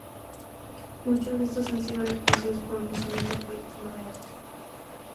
Muchos de estos han sido reproducidos por el Museo Metropolitano de Arte.